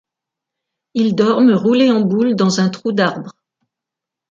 Ils dorment roulés en boule dans un trou d'arbre.